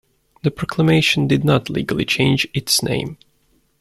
The proclamation did not legally change its name.